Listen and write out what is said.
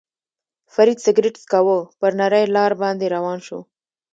فرید سګرېټ څکاوه، پر نرۍ لار باندې روان شو.